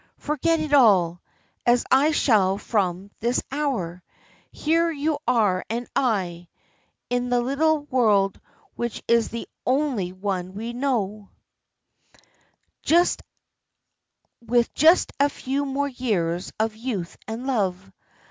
Forget it all, as I shall from this hour. Here are you and I in this little world which is the only one we know with just a few more years of youth and love.